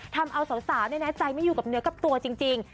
ทำเอาสาวใจไม่อยู่กับเนื้อกับตัวจริง